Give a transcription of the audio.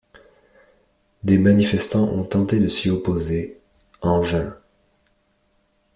Des manifestants ont tenté de s’y opposer, en vain.